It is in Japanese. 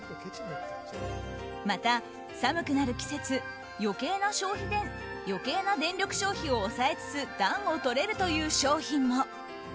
また、寒くなる季節余計な電力消費を抑えつつ暖をとれるという商品も。